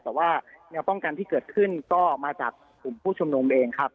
แต่ว่าแนวป้องกันที่เกิดขึ้นก็มาจากกลุ่มผู้ชุมนุมเองครับ